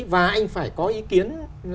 và anh phải có ý kiến